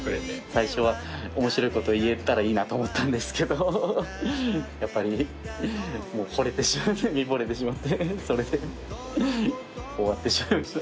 最初は面白いこと言えたらいいなと思ったんですけどやっぱり見ほれてしまってそれで終わってしまいました。